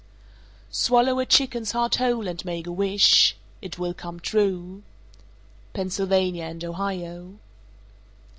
_ 435. Swallow a chicken's heart whole and make a wish. It will come true. _Pennsylvania and Ohio.